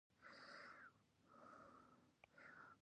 خو د ملاصاحب حافظه هم ړنده ده.